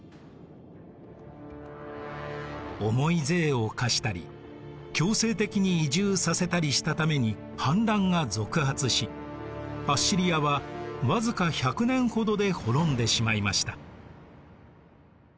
重い税を課したり強制的に移住させたりしたために反乱が続発しアッシリアはわずか１００年ほどで滅んでしまいました。